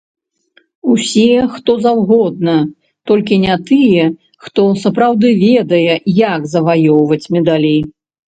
Усе, хто заўгодна, толькі не тыя, хто сапраўды ведае, як заваёўваць медалі.